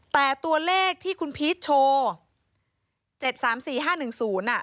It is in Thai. แต่ตัวเลขที่คุณพีชโชว์เจ็ดสามสี่ห้าหนึ่งศูนย์อ่ะ